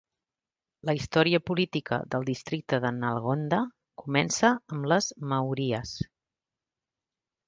La història política del districte de Nalgonda comença amb les Mauryas.